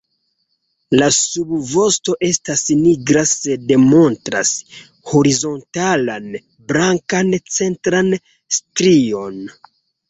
La subvosto estas nigra sed montras horizontalan blankan centran strion.